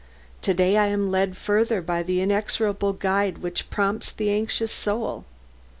To day I am led further by the inexorable guide which prompts the anxious soul.